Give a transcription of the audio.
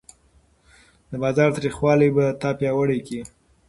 د بازار تریخوالی به تا پیاوړی کړي.